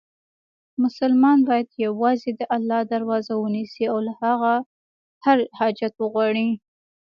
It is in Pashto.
مسلمان باید یووازې د الله دروازه ونیسي، او له هغه هر حاجت وغواړي.